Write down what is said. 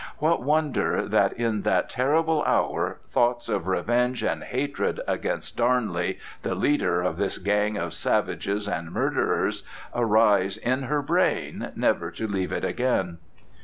What wonder that in that terrible hour thoughts of revenge and hatred against Darnley, the leader of this gang of savages and murderers, arise in her brain, never to leave it again?